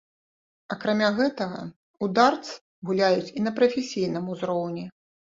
Акрамя гэтага, у дартс гуляюць і на прафесійным узроўні.